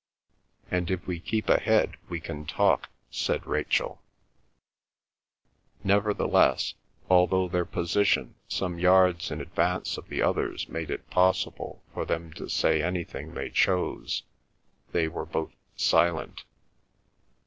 "And if we keep ahead we can talk," said Rachel. Nevertheless, although their position some yards in advance of the others made it possible for them to say anything they chose, they were both silent.